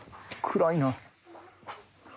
暗いな。